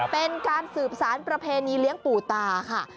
เป็นการสืบสารประเพณีเลี้ยงปู่ตาค่ะ